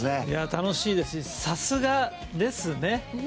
楽しいですしさすがですよね。